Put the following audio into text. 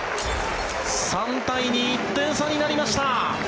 ３対２、１点差になりました。